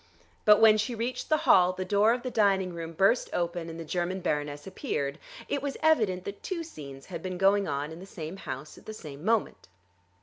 But when she reached the hall the door of the dining room burst open, and the German baroness appeared. It was evident that two scenes had been going on in the same house at the same moment.